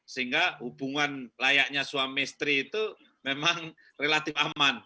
sehingga hubungan layaknya suami istri itu memang relatif aman